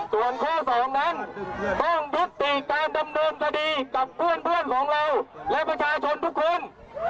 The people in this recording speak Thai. ส่วนข้อ๒นั้นต้องยุติการดำเนินคดีกับเพื่อนของเราและประชาชนทุกคน